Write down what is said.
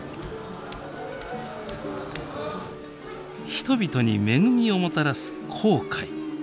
人々に恵みをもたらす紅海。